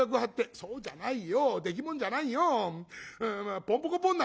「そうじゃないよ。